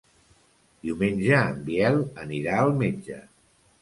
Diumenge en Biel anirà al metge.